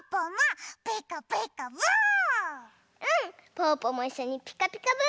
ぽぅぽもいっしょに「ピカピカブ！」